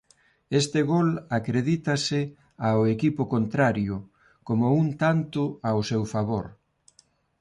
Este gol acredítase ao equipo contrario como un tanto ao seu favor.